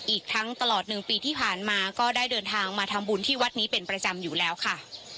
อีกทั้งตลอด๑ปีที่ผ่านมาก็ได้เดินทางมาทำบุญที่วัดนี้เป็นประจำอยู่แล้วค่ะ